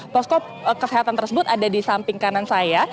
posko kesehatan tersebut ada di samping kanan saya